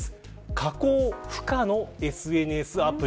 加工不可のＳＮＳアプリ。